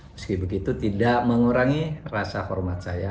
meski begitu tidak mengurangi rasa hormat saya